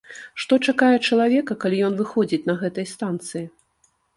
Што чакае чалавека, калі ён выходзіць на гэтай станцыі?